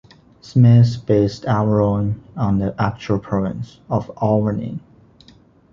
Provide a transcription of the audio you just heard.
Smith based Averoigne on the actual province of Auvergne.